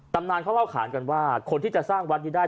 ตำนานเขาเล่าขานกันว่าคนที่จะสร้างวัดนี้ได้